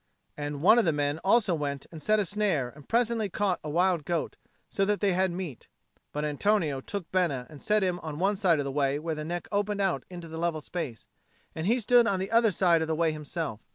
And one of the men also went and set a snare, and presently caught a wild goat, so that they had meat. But Antonio took Bena and set him on one side of the way where the neck opened out into the level space; and he stood on the other side of the way himself.